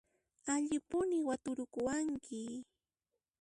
Allimpuni waturikuwanki!